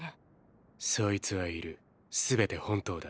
そいつはいるすべて本当だ。